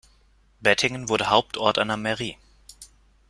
Bettingen wurde Hauptort einer Mairie.